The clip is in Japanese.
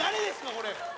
これ。